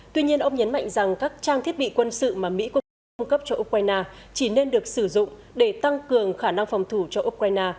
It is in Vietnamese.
tuy nhiên ông nhấn mạnh rằng các trang thiết bị quân sự mà mỹ cung cấp cung cấp cho ukraine chỉ nên được sử dụng để tăng cường khả năng phòng thủ cho ukraine